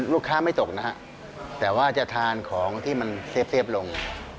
ลูกค้าไม่ตกนะครับแต่ว่าจะทานของที่มันเซฟลง